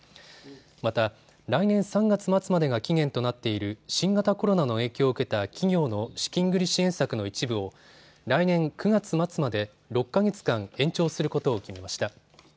また来年３月末までが期限となっている新型コロナの影響を受けた企業の資金繰り支援策の一部を来年９月末まで６か月間、延長することを決めました。